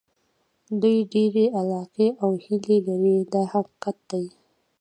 دوی ډېرې علاقې او هیلې لري دا حقیقت دی.